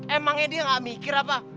emangnya dia gak mikir apa